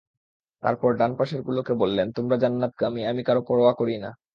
তারপর ডান পাশের গুলোকে বললেন, তোমরা জান্নাতগামী, আমি কারো পরোয়া করি না।